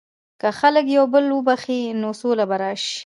که خلک یو بل وبخښي، نو سوله به راشي.